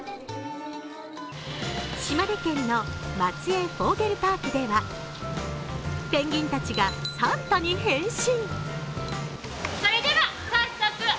島根県の松江フォーゲルパークではペンギンたちがサンタに変身。